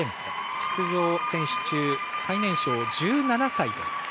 出場選手中、最年少１７歳。